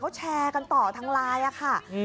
เขาแชร์กันต่อทางไลน์ค่ะ